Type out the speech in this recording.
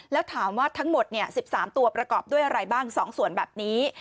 แล้วถามว่าทั้งหมด๑๓ตัวประกอบด้วยอะไรบ้าง๒ส่วนแบบนี้